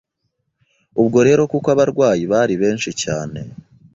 Ubwo rero kuko abarwayi bari benshi cyane